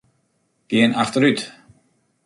Gean achterút.